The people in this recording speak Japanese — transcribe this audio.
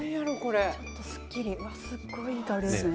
すごいいい香りですね。